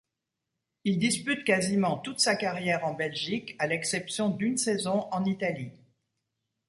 Il dispute quasiment toute sa carrière en Belgique à l'exception d'une saison en Italie.